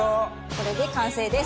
これで完成です。